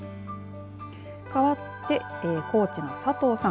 かわって、高知の佐藤さん。